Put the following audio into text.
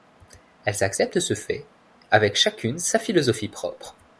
Elles acceptent ce fait, avec chacune sa philosophie propre.